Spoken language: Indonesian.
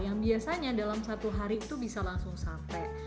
yang biasanya dalam satu hari itu bisa langsung sampai